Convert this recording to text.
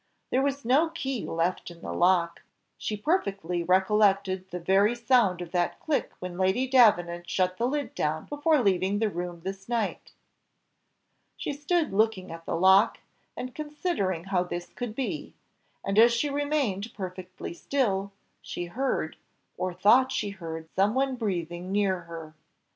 There was no key left in the lock she perfectly recollected the very sound of that click when Lady Davenant shut the lid down before leaving the room this night. She stood looking at the lock, and considering how this could be, and as she remained perfectly still, she heard, or thought she heard some one breathing near her.